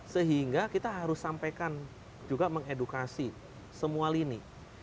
sehingga kita harus sampaikan juga mengedukasi semua lini